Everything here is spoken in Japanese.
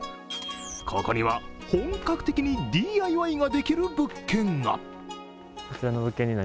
ここには本格的にＤＩＹができる物件が。